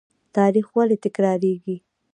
تاریخ ولې تکراریږي؟